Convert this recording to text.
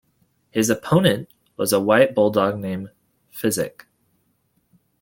His "opponent" was a white bulldog named Physic.